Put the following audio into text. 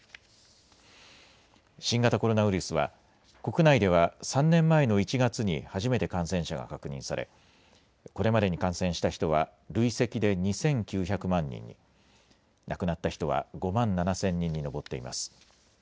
新型コロナウイルスは国内では３年前の１月に初めて感染者が確認されこれまでに感染した人は累積で２９００万人に、亡くなった人は５万７０００人に上っています。